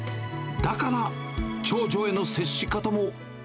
だから、長女への接し方も。